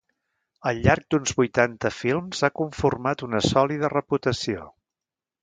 Al llarg d'uns vuitanta films ha conformat una sòlida reputació.